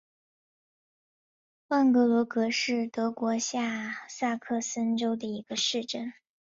万格罗格是德国下萨克森州的一个市镇。